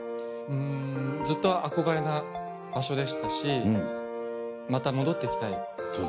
うんずっと憧れな場所でしたしまた戻って来たい場所。